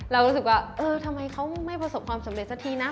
เรารู้สึกว่าเออทำไมเขาไม่ประสบความสำเร็จสักทีนะ